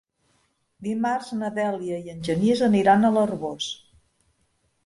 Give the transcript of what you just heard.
Dimarts na Dèlia i en Genís aniran a l'Arboç.